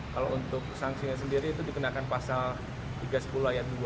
kalau untuk sanksinya sendiri itu dikenakan pasal tiga ratus sepuluh ayat dua